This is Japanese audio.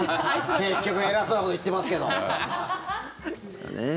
結局、偉そうなこと言ってますけど。